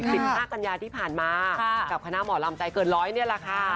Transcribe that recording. สิบห้ากัญญาที่ผ่านมาค่ะกับคณะหมอลำใจเกินร้อยนี่แหละค่ะ